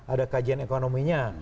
ada kajian ekonominya